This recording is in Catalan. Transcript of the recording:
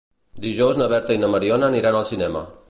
Dijous na Berta i na Mariona aniran al cinema.